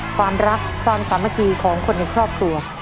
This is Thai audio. ความรักความสามัคคีของคนในครอบครัว